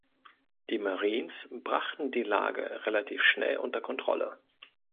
Die Marines brachten die Lage relativ schnell unter Kontrolle.